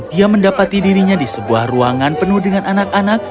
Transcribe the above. dia mendapati dirinya di sebuah ruangan penuh dengan anak anak